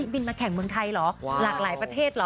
บินมาแข่งเมืองไทยเหรอหลากหลายประเทศเหรอ